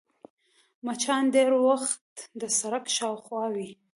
مچان ډېری وخت د سړک شاوخوا وي